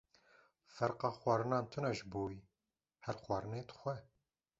Ferqa xwarinan tune ji bo wî, her xwarinê dixwe.